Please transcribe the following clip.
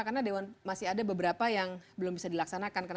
karena masih ada beberapa yang belum bisa dilaksanakan karena